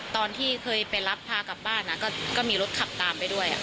ตอนที่เคยไปรับพากลับบ้านก็มีรถขับตามไปด้วย